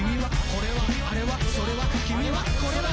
「これはあれはそれはこれは」